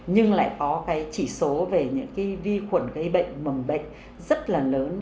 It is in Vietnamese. nhưng lại có cái chỉ số về những cái vi khuẩn gây bệnh mầm bệnh rất là lớn